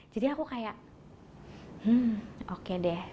jadi aku kayak hmm oke deh